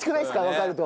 わかると。